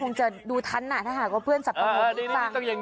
ก็คงจะดูทันอะนะถ้าหากว่าเพื่อนสับปะโงลดูดทาง